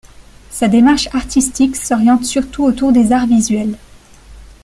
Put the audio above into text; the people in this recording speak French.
Sa démarche artistique s'oriente surtout autour des arts visuels.